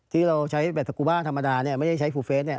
ที่เราใช้แบบสกูบ้าธรรมดาเนี่ยไม่ได้ใช้ฟูเฟส